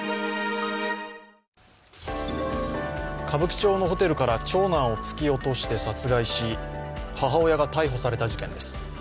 歌舞伎町のホテルから長男を突き落として殺害し母親が逮捕された事件です。